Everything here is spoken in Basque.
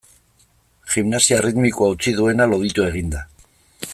Gimnasia erritmikoa utzi duena loditu egin da.